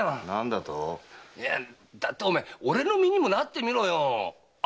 何だと⁉俺の身にもなってみろよ。